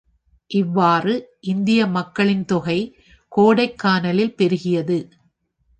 இவ்வாறு இந்திய மக்களின் தொகை கோடைக்கானலில் பெருகியது.